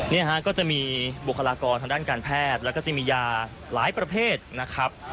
เนี่ยฮะก็จะมีบุคลากรทางด้านการแพทย์แล้วก็จะมียาหลายประเภทนะครับ